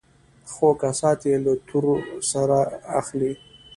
خو كسات يې له تور سرو اخلي.